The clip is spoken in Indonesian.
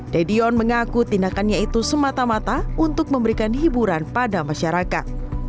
dedion mengaku tindakannya itu semata mata untuk memberikan hiburan pada masyarakat